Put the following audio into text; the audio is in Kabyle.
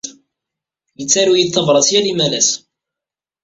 Yettaru-iyi-d tabṛat yal imalas.